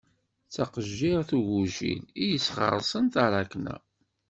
D taqejjiṛt ugujil, i yesɣeṛṣen taṛakna.